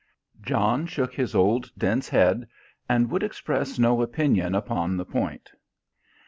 John shook his old dense head, and would express no opinion upon the point.